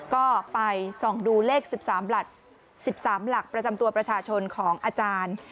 ก็ไปส่องดูเลข๑๓หลัก๑๓หลักประจำตัวประชาชนของอาจารย์